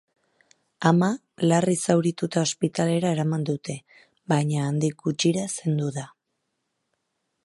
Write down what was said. Ama larri zaurituta ospitalera eraman dute, baina handik gutxira zendu da.